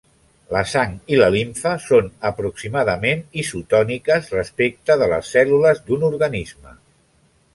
La sang i la limfa són aproximadament isotòniques respecte de les cèl·lules d'un organisme.